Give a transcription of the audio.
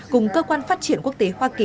cùng cơ quan phát triển quốc tế hoa kỳ